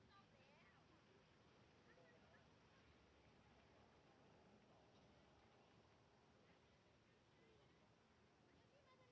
สวัสดีครับ